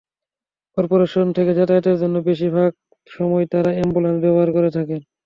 Corporation থেকে যাতায়াতের জন্য বেশির ভাগ সময় তাঁরা অ্যাম্বুলেন্স ব্যবহার করে থাকেন।